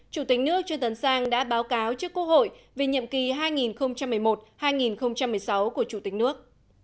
chủ tịch nước trương tấn sang đã báo cáo trước quốc hội về nhiệm kỳ hai nghìn một mươi một hai nghìn một mươi sáu của chủ tịch nước